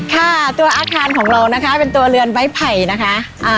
ค่ะตัวอาคารของเรานะคะเป็นตัวเรือนไม้ไผ่นะคะ